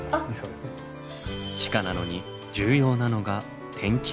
地下なのに重要なのが天気予報。